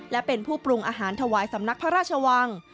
และเป็นผู้ปรุงอาหารถวายสำนักพระราชวัง